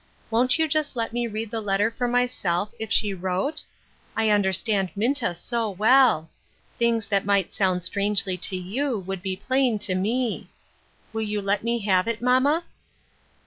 Won't you just let me read the letter for myself, if she wrote ? I under stand Minta so well ! Things that might sound strangely to you, would be plain to me. Will you let me have it, mamma